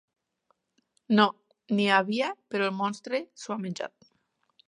No; n'hi havia, però el monstre s'ho ha menjat.